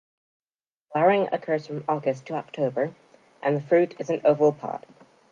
Flowering occurs from August to October and the fruit is an oval pod.